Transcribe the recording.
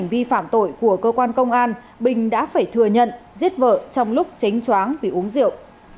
ban bình đã phải thừa nhận giết vợ trong lúc chánh chóng vì uống rượu